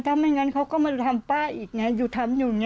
ถ้าไม่งั้นเขาก็มาทำป้าอีกอยู่ทำอยู่